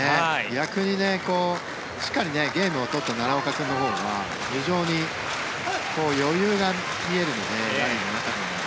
逆に、しっかりゲームを取った奈良岡君のほうが非常に余裕が見えるのでラリーの中でも。